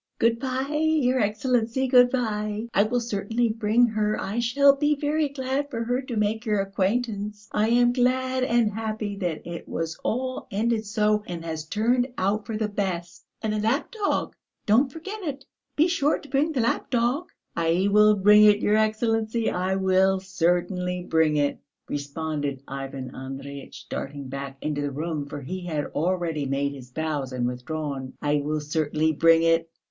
"Good bye, your Excellency, good bye! I will certainly bring her, I shall be very glad for her to make your acquaintance. I am glad and happy that it was all ended so and has turned out for the best." "And the lapdog! Don't forget it: be sure to bring the lapdog!" "I will bring it, your Excellency, I will certainly bring it," responded Ivan Andreyitch, darting back into the room, for he had already made his bows and withdrawn. "I will certainly bring it.